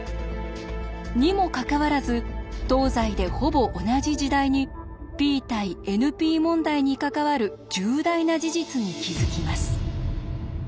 にもかかわらず東西でほぼ同じ時代にＰ対ＮＰ問題に関わる重大な事実に気付きます。